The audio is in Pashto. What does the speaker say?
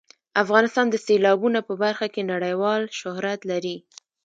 افغانستان د سیلابونه په برخه کې نړیوال شهرت لري.